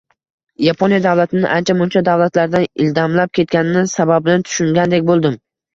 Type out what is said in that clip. Yaponiya davlatini ancha-muncha davlatlardan ildamlab ketganini sababini tushungandek boʻldim.